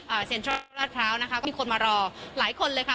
เซ็นทรัลลาดพร้าวนะคะก็มีคนมารอหลายคนเลยค่ะ